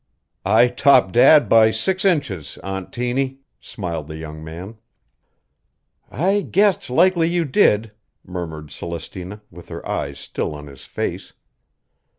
"I top Dad by six inches, Aunt Tiny," smiled the young man. "I guessed likely you did," murmured Celestina, with her eyes still on his face.